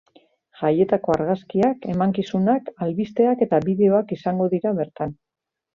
Jaietako argazkiak, emankizunak, albisteak eta bideoak izango dira bertan.